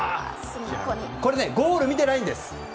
これ、ゴールを見ていないんです。